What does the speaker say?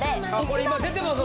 これ今出てます